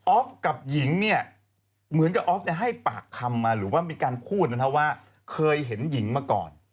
กับหญิงเนี่ยเหมือนกับออฟให้ปากคำมาหรือว่ามีการพูดนะครับว่าเคยเห็นหญิงมาก่อน